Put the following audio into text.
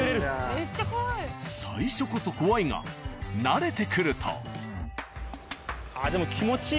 最初こそ怖いが慣れてくると。